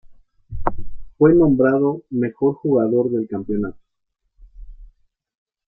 Fue nombrado mejor jugador del campeonato.